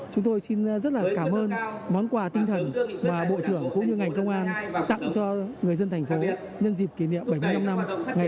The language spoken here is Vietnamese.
chúng tôi xin rất là cảm ơn món quà tinh thần mà bộ trưởng cũng như ngành công an tặng cho người dân thành phố nhân dịp kỷ niệm bảy mươi năm năm ngày